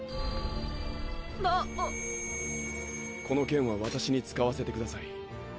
この剣は私に使わせてください。